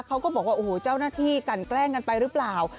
เขาก็บอกว่าโอ้โหเจ้าหน้าที่กันแกล้งกันไปหรือเปล่า